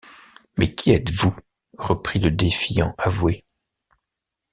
Mais qui êtes-vous? reprit le défiant avoué.